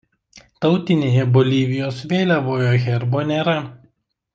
Tautinėje Bolivijos vėliavoje herbo nėra.